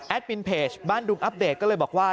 มินเพจบ้านดุงอัปเดตก็เลยบอกว่า